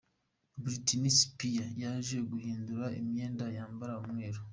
Britney Spears yaje guhindura imyenda yambara umweru.